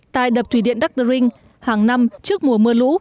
tại đập thủy điện dr ring hàng năm trước mùa mưa lũ